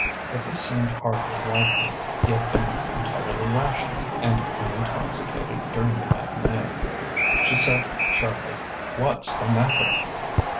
But this seemed hardly likely: he had been entirely rational and unintoxicated during the matinée. She said sharply: "What's the matter?"